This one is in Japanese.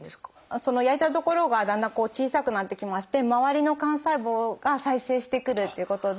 その焼いた所がだんだんこう小さくなってきまして周りの肝細胞が再生してくるっていうことで。